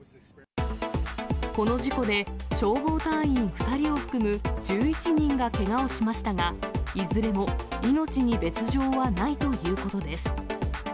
この事故で、消防隊員２人を含む１１人がけがをしましたが、いずれも命に別状はないということです。